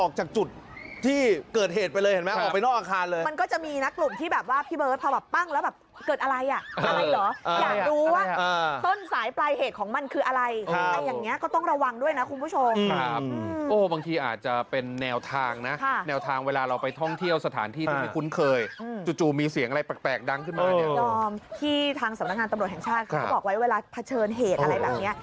เขาบอกไว้เวลาเผชิญเหตุอะไรแบบนี้